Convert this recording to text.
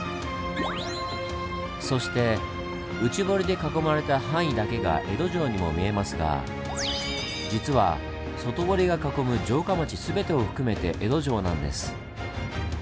そして内堀で囲まれた範囲だけが江戸城にも見えますが実は外堀が囲む城下町全てを含めて江戸城なんです。